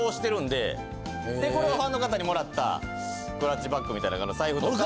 でこれはファンの方に貰ったクラッチバッグみたいな財布とか。